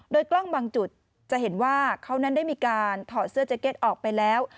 โดยกล้องบางจุดจะเห็นว่าเขานั้นได้มีการถอดเสื้อแจ็ตออกไปแล้ว